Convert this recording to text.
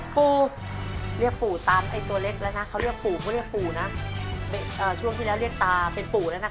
ปู่เรียกปู่ตามไอ้ตัวเล็กแล้วนะเขาเรียกปู่เขาเรียกปู่นะช่วงที่แล้วเรียกตาเป็นปู่แล้วนะคะ